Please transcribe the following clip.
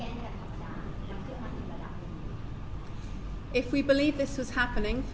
หลังจากนั้นจะมีการเขียนข้อมูลและเก็บเอาไว้เป็นหลักทาง